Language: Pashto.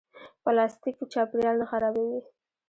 پلاستیک چاپیریال نه خرابوي